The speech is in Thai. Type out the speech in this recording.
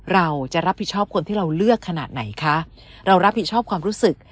เราจะรับผิดชอบคนที่เราเลือกขนาดไหนคะเรารับผิดชอบความรู้สึก